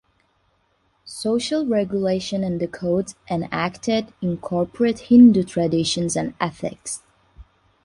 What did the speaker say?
Social regulation in the codes enacted incorporate Hindu traditions and ethics.